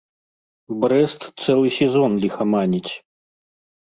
Брэст цэлы сезон ліхаманіць.